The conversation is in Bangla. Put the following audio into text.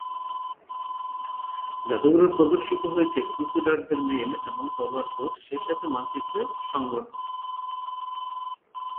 জাদুঘরে প্রদর্শিত হয়েছে ক্রুসেডারদের মেইল এবং তলোয়ারের স্যুট, সেই সাথে মানচিত্রের সংগ্রহ।